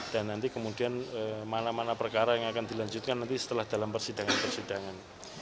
dan nanti kemudian mana mana perkara yang akan dilanjutkan nanti setelah dalam persidangan persidangan